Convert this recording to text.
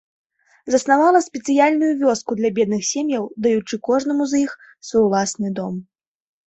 Заснавала спецыяльную вёску для бедных сем'яў, даючы кожнаму з іх свой уласны дом.